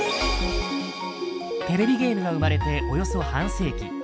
テレビゲームが生まれておよそ半世紀。